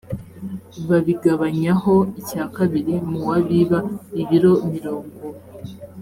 babigabanyaho icya kabiri mu wa biba ibiro mirongo